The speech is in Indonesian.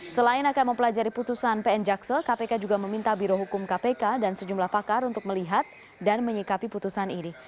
selain akan mempelajari putusan pn jaksal kpk juga meminta birohukum kpk dan sejumlah pakar untuk melihat dan menyikapi putusan ini